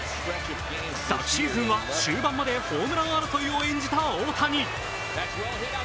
昨シーズンは終盤までホームラン争いを演じた大谷。